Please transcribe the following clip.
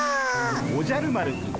おじゃる丸くん